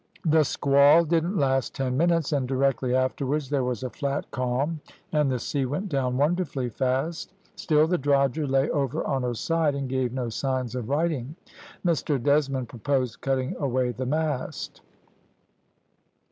"The squall didn't last ten minutes, and directly afterwards there was a flat calm, and the sea went down wonderfully fast. Still the drogher lay over on her side and gave no signs of righting. Mr Desmond proposed cutting away the mast.